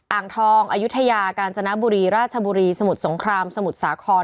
อ่างทองอายุทยากาญจนบุรีราชบุรีสมุทรสงครามสมุทรสาคร